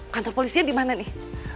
kantor polisinya dimana nih